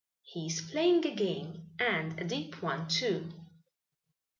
"He is playing a game, and a deep one, too."